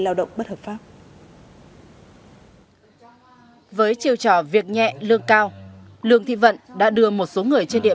lao động bất hợp pháp với chiều trò việc nhẹ lương cao lương thị vận đã đưa một số người trên địa